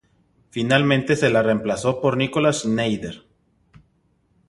Finalmente se la reemplazó por Nikolaus Schneider.